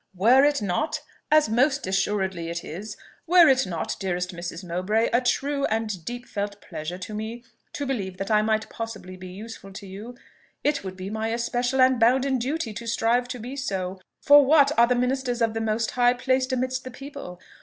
"Were it not, as most assuredly it is were it not, dearest Mrs. Mowbray, a true and deep felt pleasure to me to believe that I might possibly be useful to you, it would be my especial and bounden duty to strive to be so. For what are the ministers of the Most High placed amidst the people?